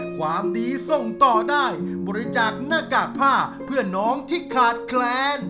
ความดีส่งต่อได้บริจาคหน้ากากผ้าเพื่อนน้องที่ขาดแคลน